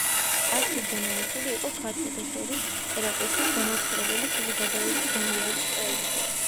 არჩილ ჯაჯანაშვილი იყო ქართველთა შორის წერა-კითხვის გამავრცელებელი საზოგადოების გამგეობის წევრი.